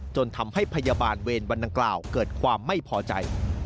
จนทำให้พยาบาลเวรวันดังกล่าวเกิดความไม่พอใจ